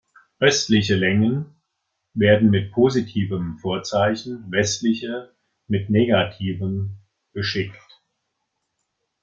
Östliche Längen werden mit positivem Vorzeichen, westliche mit negativem beschickt.